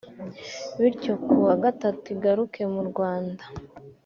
bityo ku wa Gatatu igaruke mu Rwanda